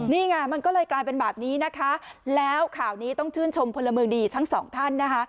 นี่ไงมันก็เลยกลายเป็นแบบนี้นะคะแล้วข่าวนี้ต้องชื่นชมพลเมืองดีทั้งสองท่านนะคะ